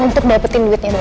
untuk dapetin duitnya doang